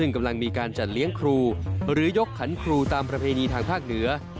กำลังมีการจัดเลี้ยงครูหรือยกขันครูตามประเพณีทางภาคเหนือ